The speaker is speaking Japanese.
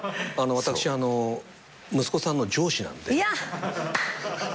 私息子さんの上司なんで。